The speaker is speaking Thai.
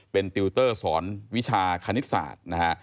เป็นติวเตอร์สอนวิชาคณิตศาสตร์นะฮะ